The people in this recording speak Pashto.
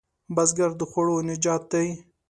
بزګر د خوړو نجات دی